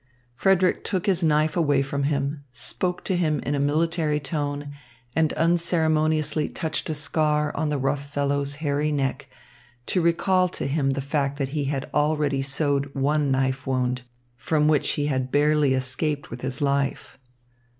Frederick took his knife away from him, spoke to him in a military tone, and unceremoniously touched a scar on the rough fellow's hairy neck to recall to him the fact that he had already sewed one knife wound, from which he had barely escaped with his life.